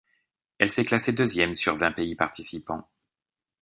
Elle s'est classée deuxième sur vingt pays participants.